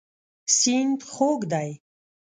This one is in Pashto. سیند خوږ دی.